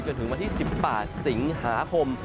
จนถึงวันที่๑๘สิงหาคม